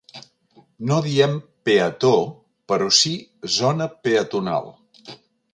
No diem "peató" però sí "zona peatonal".